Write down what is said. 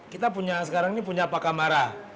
kita punya sekarang ini punya pakamara